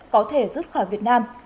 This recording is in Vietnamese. có thể rút khỏi việt nam